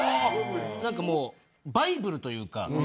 何かもうバイブルというか。